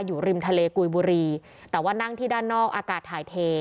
อยู่ริมทะเลกุยบุรีแต่ว่านั่งที่ด้านนอกอากาศถ่ายเท